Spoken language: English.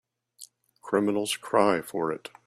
Criminals cry for it.